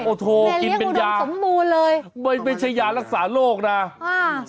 โอ้โหกินเป็นยาไม่ใช่ยารักษาโลกน่ะอ่า